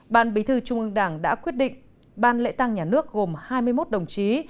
ban bí thư trung ương đảng đã quyết định ban lễ tăng nhà nước gồm hai mươi một đồng chí